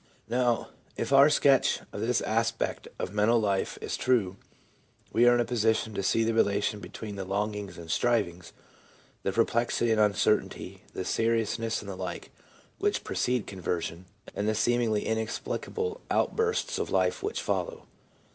Now, if our sketch of this aspect of the mental life is true, we are in a position to see the relation between the longings and strivings, the perplexity and uncertainty, the seriousness, and the like, which precede conversion, and the seemingly inexplicable outbursts of life which follow.